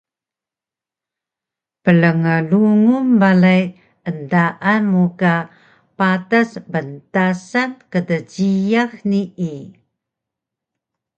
Plnglung balay endaan mu ka patas bntasan kdjiyax nii